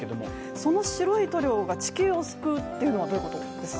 その白い塗料が地球を救うというのはどういうことですか？